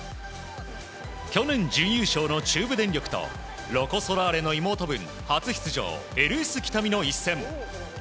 去年、準優勝の中部電力とロコ・ソラーレの妹分初出場ＬＳ北見の一戦。